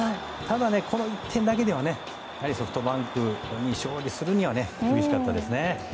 ただ、この１点だけではソフトバンクに勝利するには厳しかったですね。